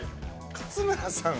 勝村さん